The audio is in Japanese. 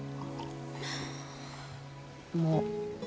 もう。